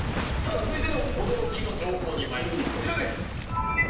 続いての驚きの情報まいりましょうこちらです。